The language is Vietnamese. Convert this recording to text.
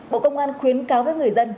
bộ công an khuyến cáo với người dân